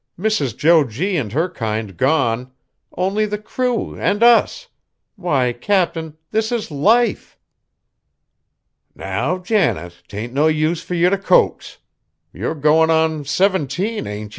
Mrs. Jo G. and her kind gone; only the crew and us! Why, Cap'n, this is life!" "Now, Janet, 'tain't no use fur ye t' coax. Ye're goin' on seventeen, ain't ye?"